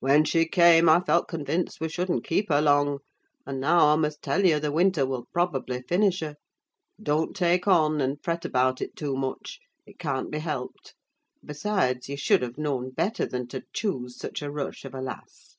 When she came, I felt convinced we shouldn't keep her long; and now, I must tell you, the winter will probably finish her. Don't take on, and fret about it too much: it can't be helped. And besides, you should have known better than to choose such a rush of a lass!